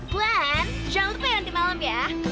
buan jangan lupa nanti malam ya